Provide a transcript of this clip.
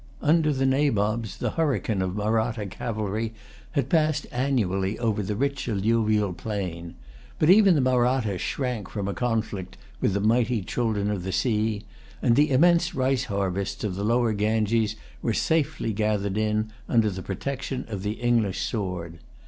Under the Nabobs, the hurricane of Mahratta cavalry had passed annually over the rich alluvial plain. But even the Mahratta shrank from a conflict with the mighty children of the sea; and the immense rice harvests of the Lower Ganges were safely gathered in, under the protection of the English sword.